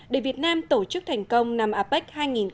để việt nam tổ chức thành công năm apec hai nghìn một mươi bảy